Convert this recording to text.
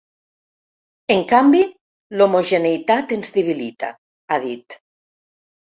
En canvi, l’homogeneïtat ens debilita, ha dit.